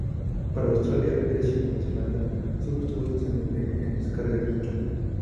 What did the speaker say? Para Australia, Grecia y Nueva Zelanda solo estuvo disponible en descarga digital.